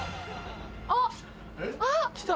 あっ！来た！